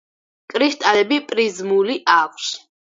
კრისტალები პრიზმული აქვს.